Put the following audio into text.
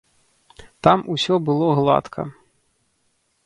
Там усё было гладка.